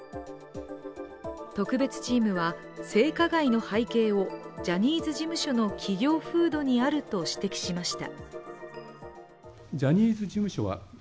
特別チームは、性加害の背景をジャニーズ事務所の企業風土にあると指摘しました。